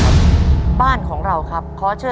ต้นไม้ประจำจังหวัดระยองการครับ